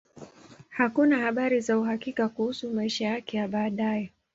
Hakuna habari za uhakika kuhusu maisha yake ya baadaye.